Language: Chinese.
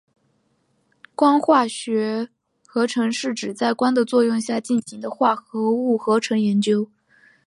光化学合成是指在光的作用下进行的化合物合成研究。